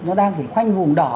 nó đang phải khoanh vùng đỏ